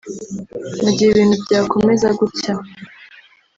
Mu gihe ibintu byakomeza gutya